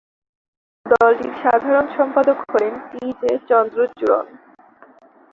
দলটির সাধারণ সম্পাদক হলেন টি জে চন্দ্রচূড়ন।